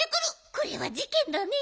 これはじけんだね。